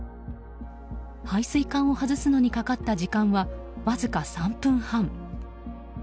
排水管を外すのにかかった時間はわずか３分半。